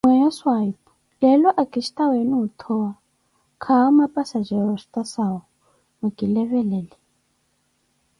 Mweyo swahipu leelo akisitaweeni othowa, kaawo mapsajero ostasau, mwikilevelele.